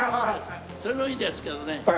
それもいいですけどね